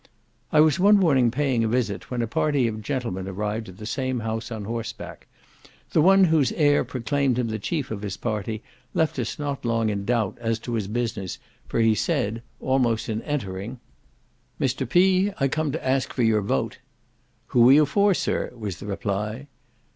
I was one morning paying a visit, when a party of gentlemen arrived at the same house on horseback. The one whose air proclaimed him the chief of his party, left us not long in doubt as to his business, for he said, almost in entering, "Mr. P—, I come to ask for your vote." "Who are you for, sir?" was the reply.